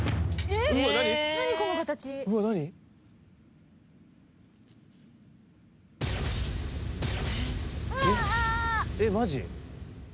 えっマジ？